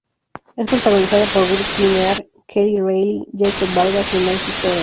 Es protagonizada por Greg Kinnear, Kelly Reilly, Jacob Vargas, y Nancy Sorel.